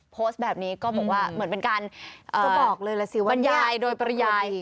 โพสต์แบบนี้ก็บอกว่าเหมือนเป็นการบรรยายโดยปรยาย